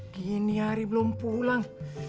gini hari belum pulang